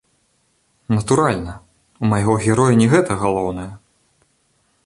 Натуральна, у майго героя не гэта галоўнае.